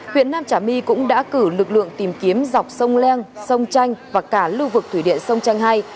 huyện nam trà my cũng đã cử lực lượng tìm kiếm dọc sông leng sông tranh và cả lưu vực thủy điện sông tranh hai